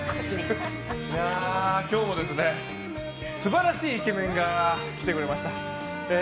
今日もですね素晴らしいイケメンが来てくれました。